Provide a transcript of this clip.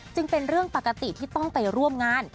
เป็นเรื่องปกติที่ต้องไปร่วมงาน